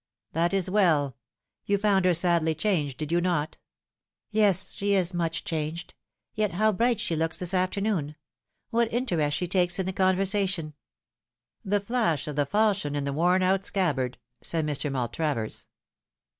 " That is well You found her sadly changed, did you not ?"" Yes, she is much changed. Yet how bright she looks this afternoon I what interest she takes in the conversation I" " The flash of the falchion in the worn out scabbard," said Mr. Maltravers.